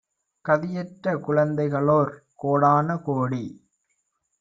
கதியற்ற குழந்தைகளோர் கோடான கோடி